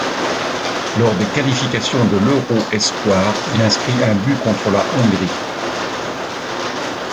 Lors des qualifications de l'Euro espoirs, il inscrit un but contre la Hongrie.